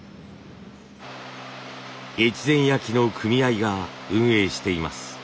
越前焼の組合が運営しています。